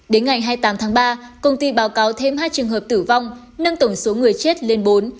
đến ngày hai mươi tám tháng ba công ty báo cáo thêm hai trường hợp tử vong nâng tổng số người chết lên bốn